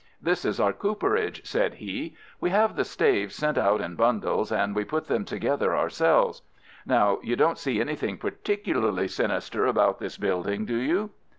"This is our cooperage," said he. "We have the staves sent out in bundles, and we put them together ourselves. Now, you don't see anything particularly sinister about this building, do you?"